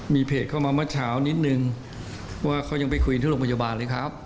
มีเพจเข้ามาเมื่อเช้านิดนึงว่าเขายังไปคุยที่โรงพยาบาลเลยครับ